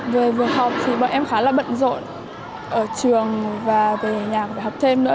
vừa học thì bọn em khá là bận rộn ở trường và về nhà học thêm nữa